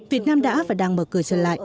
việt nam đã và đang mở cửa trở lại